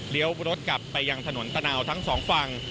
รถกลับไปยังถนนตะนาวทั้งสองฝั่ง